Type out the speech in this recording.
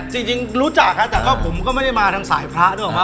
จริงรู้จักครับแต่ผมก็ไม่ได้มาทางสายพระด้วยหรอกนะ